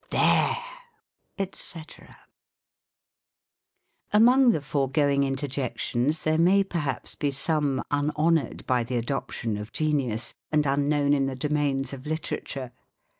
There! &c. Oh ! Sir, stop that do; Among the foregoing intoijections there may, per haps, be some unhonored by the adoption of genius, and unknown in the domains of literature.